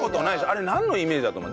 あれなんのイメージだと思う？